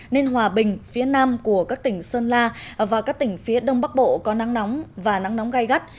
nên hòa bình phía nam của các tỉnh sơn la và các tỉnh phía đông bắc bộ có nắng nóng và nắng nóng gai gắt